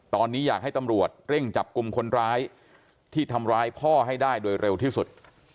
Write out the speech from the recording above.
ตอนนี้อยากให้ตำรวจเร่งจับกลุ่มคนร้ายที่ทำร้ายพ่อให้ได้โดยเร็วที่สุด